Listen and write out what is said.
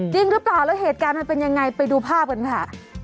จริงหรือเปล่าแล้วเหตุการณ์มันเป็นยังไงไปดูภาพกันค่ะ